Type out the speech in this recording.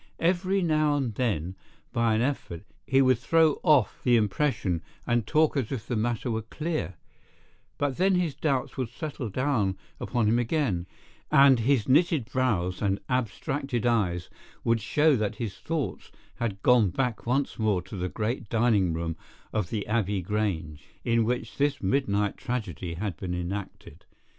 Every now and then, by an effort, he would throw off the impression, and talk as if the matter were clear, but then his doubts would settle down upon him again, and his knitted brows and abstracted eyes would show that his thoughts had gone back once more to the great dining room of the Abbey Grange, in which this midnight tragedy had been enacted.